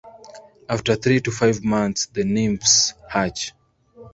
After three to five months the nymphs hatch.